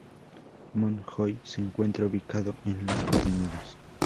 Mount Joy se encuentra ubicado en las coordenadas